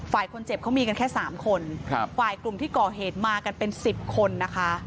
ฝ่ายคนเจ็บเขามีกันแค่สามคนครับฝ่ายกลุ่มที่ก่อเหตุมากันเป็นสิบคนนะคะ